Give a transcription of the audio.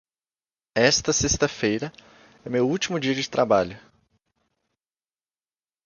Esta sexta-feira é meu último dia de trabalho.